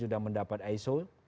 sudah mendapat iso